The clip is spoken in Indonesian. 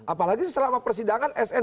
apalagi selama persidangan sn